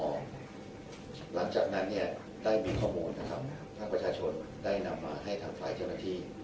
หลังจากนั้นได้มีข้อมูลภาคประชาชนได้นำมาให้ทางฝ่ายเที่ยวหน้าที่